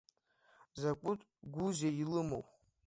Закәытә гәузеи илымоу!